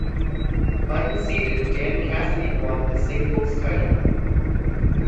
Unseeded Dan Cassidy won the singles title.